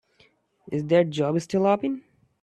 Is that job still open?